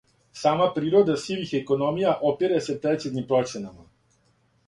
Сама природа сивих економија опире се прецизним проценама.